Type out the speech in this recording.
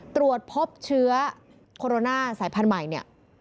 ตรวจพบเชื้อโคโรนาสายพันธุ์ใหม่เนี่ย